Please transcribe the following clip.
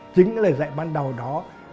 chính lời dạy ban đầu đó